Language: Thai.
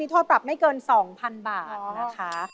โทษปรับไม่เกิน๒๐๐๐บาทนะคะ